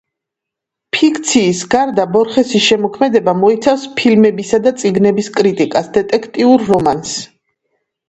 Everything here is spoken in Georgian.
ფიქციის გარდა ბორხესის შემოქმედება მოიცავს ფილმებისა და წიგნების კრიტიკას, დეტექტიურ რომანს.